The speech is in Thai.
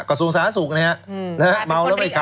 กระทรวงสาธารณสุขนะครับมัวแล้วไม่ครับ